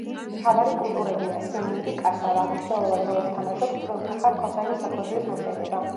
მთავარი კულტურებია: სიმინდი, კასავა; მნიშვნელოვან როლს თამაშობს წვრილფეხა რქოსანი საქონლის მოშენება.